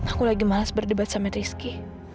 aku lagi malas berdebat sama rizky